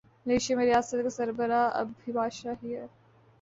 Malaysia میں ریاست کا سربراہ اب بھی بادشاہ ہی ہے۔